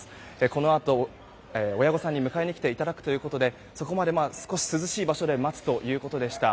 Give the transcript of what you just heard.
このあと、親御さんに迎えに来ていただくということでそこまで少し涼しい場所で待つということでした。